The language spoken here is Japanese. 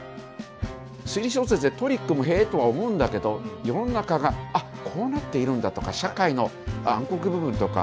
推理小説でトリックもへとは思うんだけど「世の中があこうなっているんだ」とか社会の暗黒部分とか。